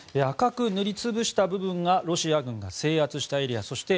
赤く塗り潰した部分がロシア軍が制圧したエリア。